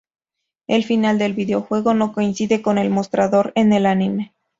El final del videojuego no coincide con el mostrado en el anime.